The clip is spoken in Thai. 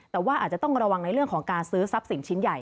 แต่ว่าอาจจะต้องระวังในเรื่องของการซื้อทรัพย์สินชิ้นใหญ่